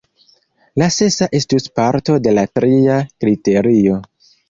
La sesa estus parto de la tria kriterio.